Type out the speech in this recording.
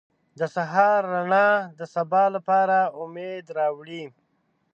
• د سهار رڼا د سبا لپاره امید راوړي.